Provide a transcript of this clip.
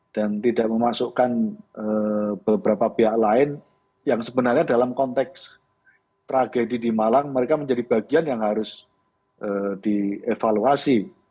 dan tidak memasukkan beberapa pihak lain yang sebenarnya dalam konteks tragedi di malang mereka menjadi bagian yang harus dievaluasi